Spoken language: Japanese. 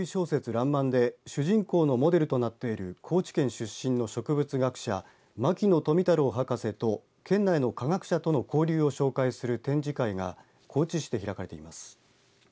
らんまんで主人公のモデルとなっている高知県出身の植物学者牧野富太郎博士と県内の科学者との交流を紹介する展示会が高知市で開かれています。